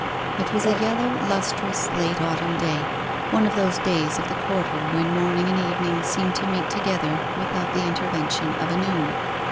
It was a yellow, lustrous, late autumn day, one of those days of the quarter when morning and evening seem to meet together without the intervention of a noon.